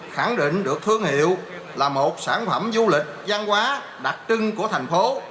khẳng định được thương hiệu là một sản phẩm du lịch văn hóa đặc trưng của thành phố